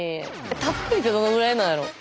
たっぷりってどのぐらいなんやろ。